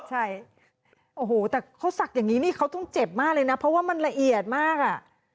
ใช่โอ้โหแต่เขาศักดิ์อย่างนี้นี่เขาต้องเจ็บมากเลยนะเพราะว่ามันละเอียดมากอ่ะ